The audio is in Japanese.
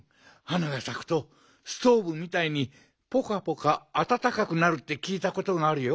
花がさくとストーブみたいにぽかぽかあたたかくなるってきいたことがあるよ。